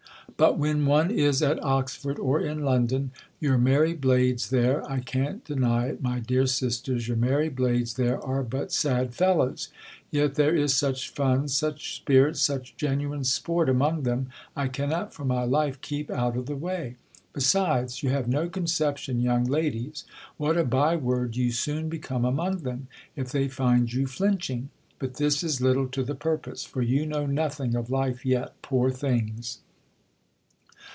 But when one is at Oxford, or in London— your merry blades there, I can't deny it, my dear sisters, your merry blades there are but sad fellows. Yet there is. such fun, such spirit, such 224 THE COLUMBIAN ORATOR. such genuine sport among them, I cannot, for my life, keep out of the way. Besides, you have no concep tion, young ladies, what a bye word you soon become among them, if they find you jlmching. But this i^ litde to the purpose ; for you know nothing of life yet, poor things.